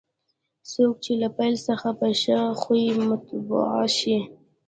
څوک چې له پیل څخه په ښه خوی مطبوع شي.